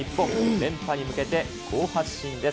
連覇に向けて好発進です。